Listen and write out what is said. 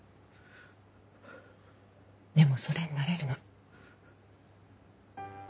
でもそれに慣れるな。